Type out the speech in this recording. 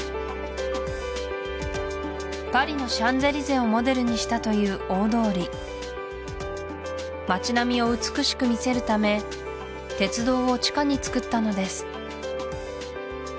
パリのシャンゼリゼをモデルにしたという大通り街並みを美しく見せるため鉄道を地下につくったのです